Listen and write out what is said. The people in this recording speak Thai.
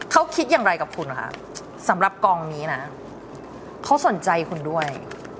เขาคิดอย่างไรกับคุณคะสำหรับกองนี้นะเขาสนใจคุณด้วย